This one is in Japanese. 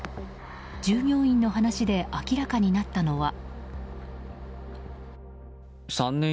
従業員の話で明らかになったのは。